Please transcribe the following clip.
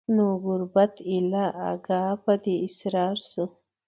نو ګوربت ایله آګاه په دې اسرار سو